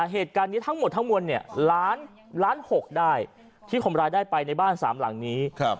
เหตุการณ์นี้ทั้งหมดทั้งมวลเนี่ยล้าน๖ได้ที่คนร้ายได้ไปในบ้านสามหลังนี้